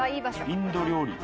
インド料理。